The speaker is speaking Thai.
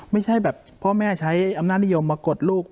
ไม่ใช่แบบพ่อแม่ใช้อำนาจนิยมมากดลูก